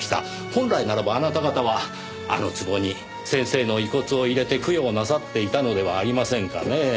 本来ならばあなた方はあの壺に先生の遺骨を入れて供養なさっていたのではありませんかねぇ。